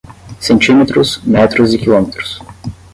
Centímetros, metros e quilômetros